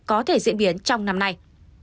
có thể diễn biến trong năm nay